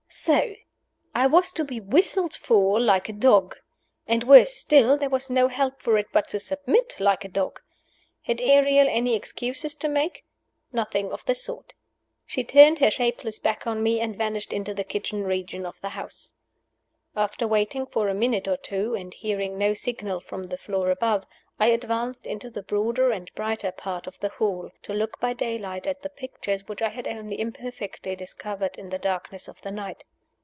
So! I was to be whistled for like a dog! And, worse still, there was no help for it but to submit like a dog. Had Ariel any excuses to make? Nothing of the sort. She turned her shapeless back on me and vanished into the kitchen region of the house. After waiting for a minute or two, and hearing no signal from the floor above, I advanced into the broader and brighter part of the hall, to look by daylight at the pictures which I had only imperfectly discovered in the darkness of the night.